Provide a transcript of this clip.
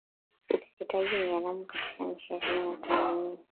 Ukeketaji ni haramu katika nchi Kenya na Tanzania